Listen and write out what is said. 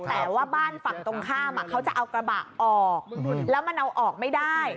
แต่ว่าบ้านฝั่งตรงข้ามเขาจะเอากระบะออกแล้วมันเอาออกไม่ได้